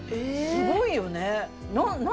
すごいよね！